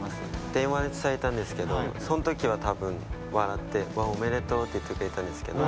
電話で伝えたんですけどその時は多分笑って「うわおめでとう」って言ってくれたんですけど。